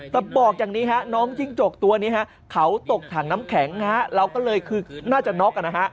แต่บอกอย่างนี้ฮะน้องจิ้งจกตัวนี้ฮะเขาตกถังน้ำแข็งเราก็เลยคือน่าจะน็อกนะฮะ